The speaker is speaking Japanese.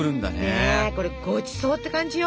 これごちそうって感じよ。